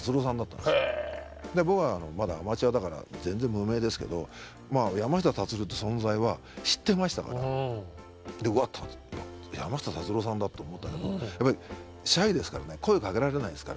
僕はまだアマチュアだから全然無名ですけど山下達郎って存在は知ってましたから。と思ったけどシャイですからね声かけられないですから。